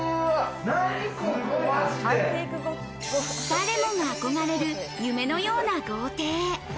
誰もが憧れる夢のような豪邸。